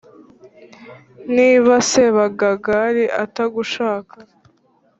Niba Sebagangali atagushaka